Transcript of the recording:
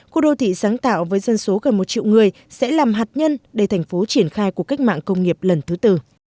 khu đô thị sáng tạo với dân số gần một triệu người sẽ làm hạt nhân để thành phố triển khai cuộc cách mạng công nghiệp lần thứ tư